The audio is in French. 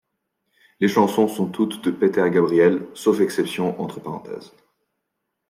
Les chansons sont toutes de Peter Gabriel, sauf exception entre parenthèses.